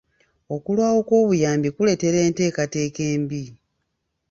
Okulwawo kw'obuyambi kireetera enteekateeka embi.